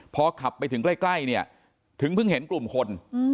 พอขับไปถึงใกล้เนี่ยถึงเพิ่งเห็นกลุ่มคน